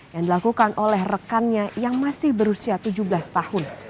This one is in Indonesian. yang dilakukan oleh rekannya yang masih berusia tujuh belas tahun